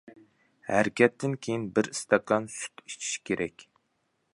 ھەرىكەتتىن كېيىن بىر ئىستاكان سۈت ئىچىش كېرەك.